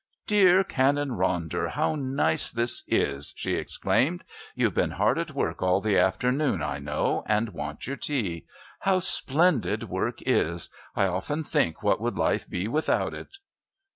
"Dear Canon Ronder, how nice this is!" she exclaimed. "You've been hard at work all the afternoon, I know, and want your tea. How splendid work is! I often think what would life be without it'."